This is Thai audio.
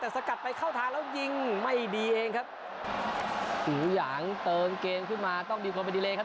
แต่สกัดไปเข้าทางแล้วยิงไม่ดีเองครับหูหยางเติมเกมขึ้นมาต้องดีกว่าครับ